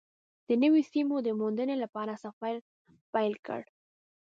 د نویو سیمو د موندنې لپاره سفر پیل کړ.